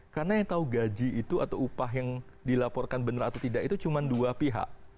karena yang tahu gaji itu atau upah yang dilaporkan benar atau tidak itu cuma dua pihak